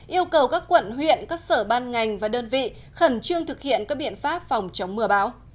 yêu cầu các quận huyện các sở ban ngành và đơn vị khẩn trương thực hiện các biện pháp phòng chống mưa bão